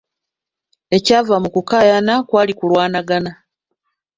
Ekyava mu kukaayana kwali kulwanagana.